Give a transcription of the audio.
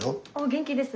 元気です